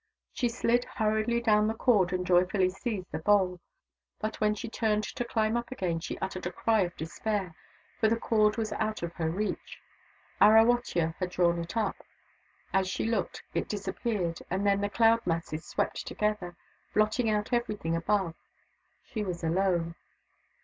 She slid hurriedly down the cord and joyfully seized the bowl. But when she turned to climb up again she uttered a cry of despair, for the cord was out of her reach. Arawotya had drawn it up. As she looked, it disappeared, and then the cloud masses swept together, blotting out everything above. She was alone.